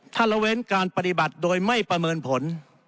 ถ้าละเว้นการปฏิบัติโดยไม่ประเมินผล